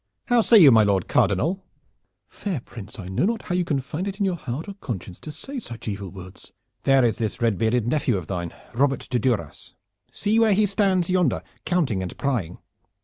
How say you, my Lord Cardinal?" "Fair Prince, I know not how you can find it in your heart or conscience to say such evil words." "There is this red bearded nephew of thine, Robert de Duras. See where he stands yonder, counting and prying.